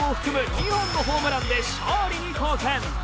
２本のホームランで勝利に貢献。